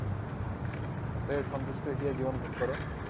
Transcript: অতএব সন্তুষ্ট হইয়া জীবন ভোগ কর।